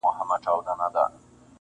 د هغه مور او پلار د امریکا د داخلي -